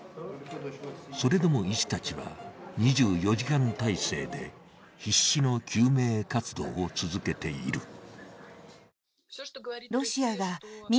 それでも医師たちは２４時間態勢で必死の救命活動を続けている。